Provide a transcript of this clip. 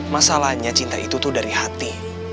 masalahnya cinta itu tuh dari hati